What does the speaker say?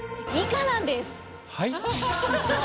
はい？